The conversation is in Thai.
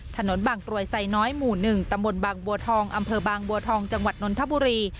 ถนนบางกรวยไซน้อยหมู่๑ตำบลบางบัวทองอำเภอบางบัวทองจังหวัดนนทบุรี